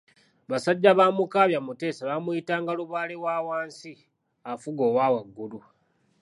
Basajja ba Mukaabya Mutesa baamuyitanga Lubaale wa wansi afuga owa waggulu.